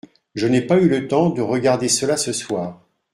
Je n’ai pas eu le temps de regarder cela ce soir.